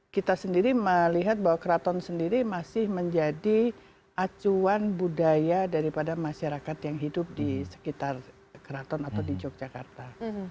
kita sendiri melihat bahwa keraton sendiri masih menjadi acuan budaya daripada masyarakat yang hidup di sekitar keraton atau di yogyakarta